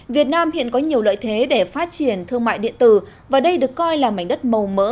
việt nam hiện có nhiều lợi thế để phát triển thương mại điện tử và đây được coi là mảnh đất màu mỡ